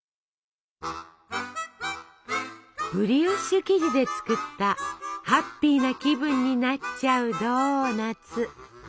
ブリオッシュ生地で作ったハッピーな気分になっちゃうドーナツ。